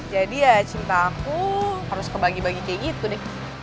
jadi ya cinta aku harus kebagi bagi kayak gitu dik